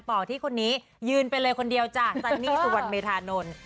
ต่อที่คนนี้ยืนไปเลยคนเดียวจ้ะซันนี่สุวรรณเมธานนท์